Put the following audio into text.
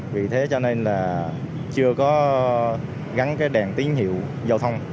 vì thế cho nên là chưa có gắn cái đèn tín hiệu giao thông